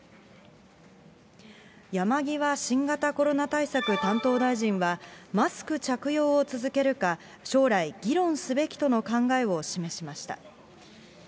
山際新型コロナ対策担当大臣は、マスク着用を続けるか、将来、議論すべきとの考えを示しました。